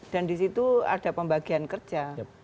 dan disitu ada pembagian kerja